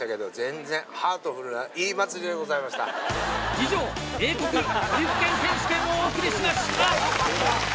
以上英国トリュフ犬選手権をお送りしました。